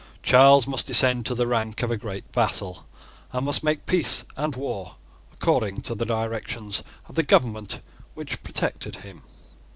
Charles must descend to the rank of a great vassal, and must make peace and war according to the directions of the government which protected him.